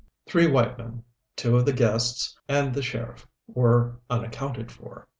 Three white men two of the guests and the sheriff were unaccounted for.